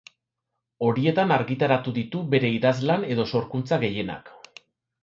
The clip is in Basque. Horietan argitaratu ditu bere idazlan edo sorkuntza gehienak.